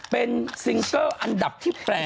เป็นซิงเกิลอันดับที่๘